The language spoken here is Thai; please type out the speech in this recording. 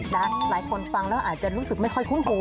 หลายคนฟังแล้วอาจจะรู้สึกไม่ค่อยคุ้นหู